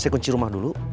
saya kunci rumah dulu